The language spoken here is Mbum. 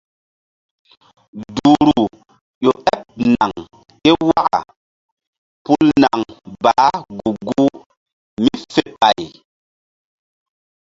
Duhru ƴo ɓeɓ naŋ ké waka pul naŋ baah gu-guh mí fe pay.